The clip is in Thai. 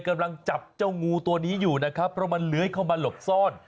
กำลังจับเจ้างูตัวนี้อยู่นะครับเพราะมันเลื้อยเข้ามาหลบซ่อน